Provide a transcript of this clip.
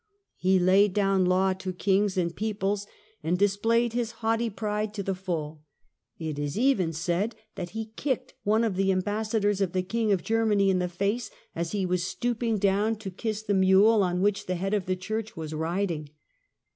He laid down law to Kings and peoples, and dis FRENCH HISTORY, 1273 1328 57 played his haughty pride to the full : it is even said that he kicked one of the ambassadors of the King of Germany in the face, as he was stooping down to kiss the mule, on which the Head of the Church was riding.